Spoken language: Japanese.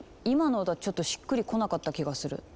今の歌ちょっとしっくりこなかった気がする。